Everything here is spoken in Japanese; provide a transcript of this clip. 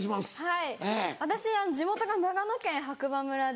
はい私地元が長野県白馬村で。